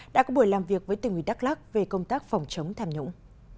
đã có buổi làm việc với tỉnh nguy đắk lắc về công tác phòng chống tham nhũng